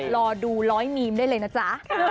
รอดูร้อยมีมได้เลยนะจ๊ะ